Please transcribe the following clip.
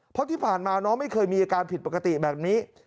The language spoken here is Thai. เพราะที่ผ่านมาน้องไม่เคยมีอาการผิดปกติแบบนี้